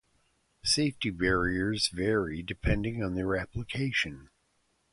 Safety barriers vary depending on their application.